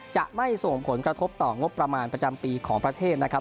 จะไม่ส่งผลกระทบต่องบประมาณประจำปีของประเทศนะครับ